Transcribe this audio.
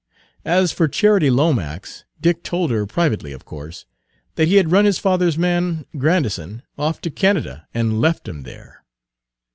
As for Charity Lomax, Dick told her, privately of course, that he had run his father's man, Grandison, off to Canada, and left him there.